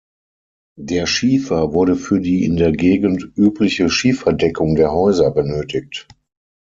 Der Schiefer wurde für die in der Gegend übliche Schieferdeckung der Häuser benötigt.